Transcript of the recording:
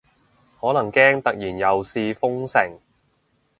可能驚突然又試封城